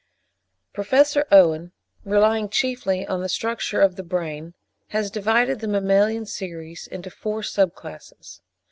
Professor Owen, relying chiefly on the structure of the brain, has divided the mammalian series into four sub classes.